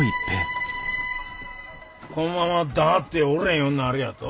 このまま黙っておれぃんようになれやと？